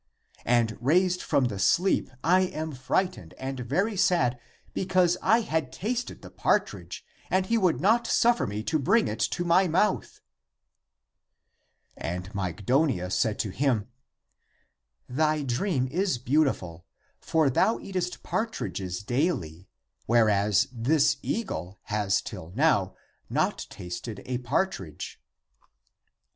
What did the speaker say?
And raised from the sleep, I am fright ened and very sad because I had tasted the partridge and he would not suffer me to bring it to my mouth." And Mygdonia said to him, *' Thy dream is beautiful, for thou eatest partridges daily, where as this eagle has till now not tasted a partridge." 92.